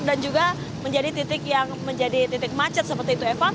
dan juga menjadi titik macet seperti itu eva